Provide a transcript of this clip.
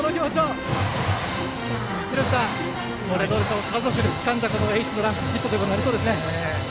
廣瀬さん、家族でつかんだヒットになりそうですね。